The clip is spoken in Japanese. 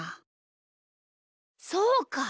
そうか！